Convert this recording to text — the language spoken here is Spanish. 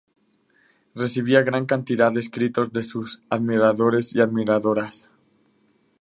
Recibía gran cantidad de escritos de sus admiradores y admiradoras.